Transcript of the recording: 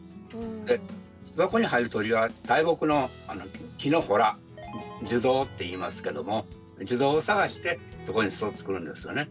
巣箱に入る鳥は大木の木の洞樹洞っていいますけども樹洞を探してそこに巣を作るんですよね。